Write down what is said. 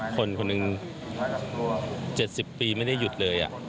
คนคนหนึ่ง๗๐ปีไม่ได้หยุดเลย